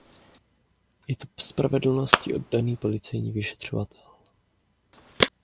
Je to spravedlnosti oddaný policejní vyšetřovatel.